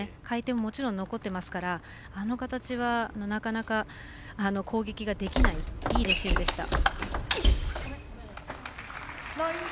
回転ももちろん残ってますからあの形はなかなか攻撃ができないいいレシーブでした。